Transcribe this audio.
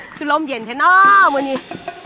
คือลมเย็นแค่น้อมันนี่